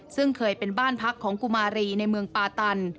ซึ่งเคยเป็นบ้านพักของกุมารีในเมืองปาตัน